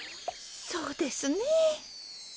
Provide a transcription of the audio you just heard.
そうですね。